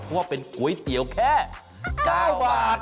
เพราะเป็นครุยติ๋วแค่๙หวาด